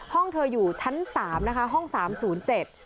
ห้องเธออยู่ชั้นสามนะคะห้องสามศูนย์เจ็ด